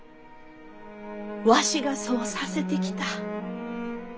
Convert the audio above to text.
わしがそうさせてきた。